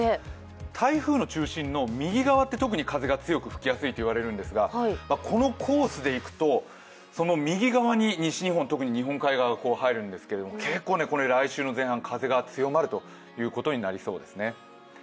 台風の中心より右側って特に風が吹きやすいと言われるんですがこのコースで行くと、右側に特に日本列島入るんですけれども結構、来週の前半、風が強まるということになりそうですね。